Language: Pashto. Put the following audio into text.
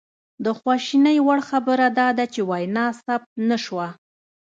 د خواشینۍ وړ خبره دا ده چې وینا ثبت نه شوه